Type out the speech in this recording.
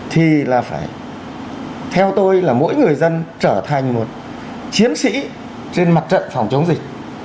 thì là phải theo tôi là mỗi người dân trở thành một chiến sĩ trên mặt trận phòng chống dịch